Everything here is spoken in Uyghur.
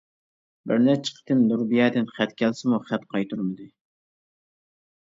بىر نەچچە قېتىم نۇربىيەدىن خەت كەلسىمۇ خەت قايتۇرمىدى.